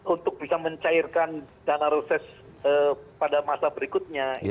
untuk bisa mencairkan dana reses pada masa berikutnya